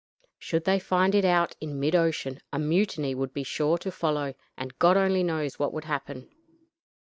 Should they find it out in mid ocean, a mutiny would be sure to follow, and God only knows what would happen.